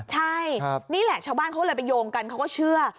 ใช่นี่แหละชาวบ้านเขาเลยไปโยงกันเขาก็เชื่อ